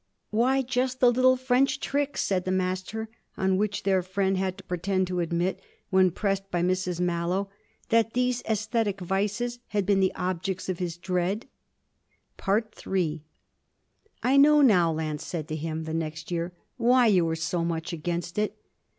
'Why just the little French tricks,' said the Master: on which their friend had to pretend to admit, when pressed by Mrs Mallow, that these æsthetic vices had been the objects of his dread. III 'I know now,' Lance said to him the next year, 'why you were so much against it.'